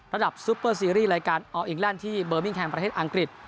ซุปเปอร์ซีรีส์รายการอออิงแลนด์ที่เบอร์มิ่งแงประเทศอังกฤษ